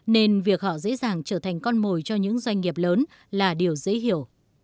nên việc họ dễ dàng trở thành con mồi cho những doanh nghiệp lớn là điều dễ hiểu